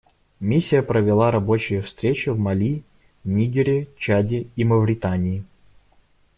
Миссия провела рабочие встречи в Мали, Нигере, Чаде и Мавритании.